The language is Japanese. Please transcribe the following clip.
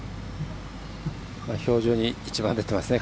表情に一番、出ていますね。